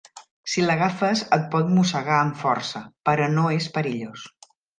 Si l'agafes et pot mossegar amb força, però no és perillós.